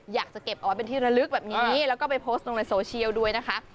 อยากจะเก็บเอาไว้เป็นที่ระลึกแบบนี้แล้วก็ไปโพสต์ลงในโซเชียลด้วยนะคะ